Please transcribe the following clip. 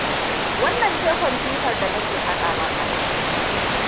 Wannan ce kwamfutar da na ke fada maka.